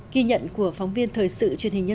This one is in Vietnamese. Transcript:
ghi nhận của phóng viên thời sự